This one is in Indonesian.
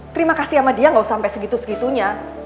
terima kasih sama dia gak sampai segitu segitunya